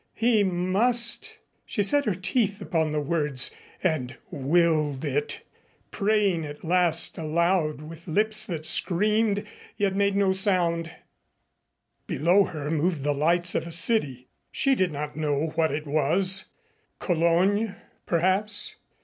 He must. She set her teeth upon the words and willed it, praying at last aloud with lips that screamed yet made no sound. Below her moved the lights of a city. She did not know what it was. Cologne, perhaps.